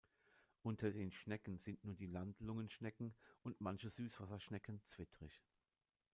Unter den Schnecken sind nur die Landlungenschnecken und manche Süßwasserschnecken zwittrig.